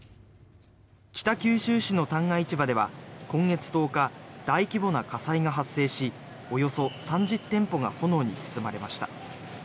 北九州市の旦過市場では今月１０日大規模な火災が発生しおよそ３０店舗が炎に包まれました。